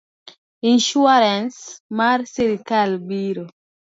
Insuarans mar sirkal biro